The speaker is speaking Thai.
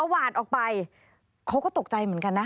หวานออกไปเขาก็ตกใจเหมือนกันนะ